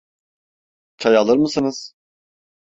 Çay alır mısınız?